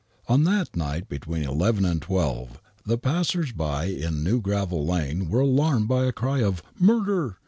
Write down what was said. On that night, between eleven and twelve, the passers by in New Gravel Lane were alarmed by a cry of " Murder